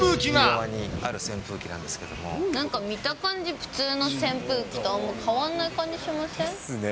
右側にある扇風機なんですけなんか見た感じ、普通の扇風機とあんま変わらない感じしません？ですね。